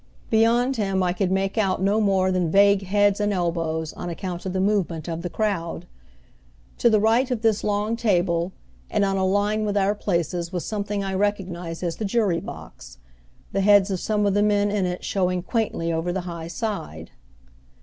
Beyond him I could make out no more than vague heads and elbows, on account of the movement of the crowd. To the right of this long table and on a line with our places was something I recognized as the jury box, the heads of some of the men in it showing quaintly over the high side.